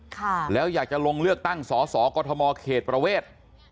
ค่ะแล้วอยากจะลงเลือกตั้งสอสอกรทมเขตประเวท